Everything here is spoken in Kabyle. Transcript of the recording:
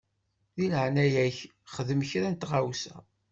Di leɛnaya-k xdem kra n tɣawsa.